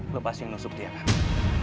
lo pasti yang nusuk dia kan